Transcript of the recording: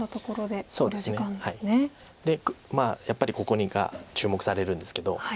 でやっぱりここが注目されるんですけど。